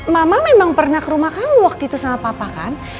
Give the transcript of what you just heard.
mama memang pernah ke rumah kamu waktu itu sama papa kan